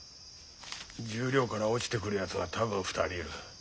十両から落ちてくるやつは多分２人いる。